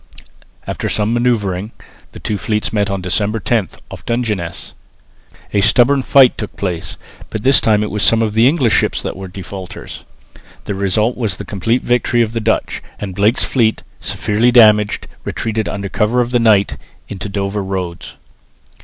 After some manoeuvring the two fleets met on December 10, off Dungeness. A stubborn fight took place, but this time it was some of the English ships that were defaulters. The result was the complete victory of the Dutch; and Blake's fleet, severely damaged, retreated under cover of the night into Dover roads.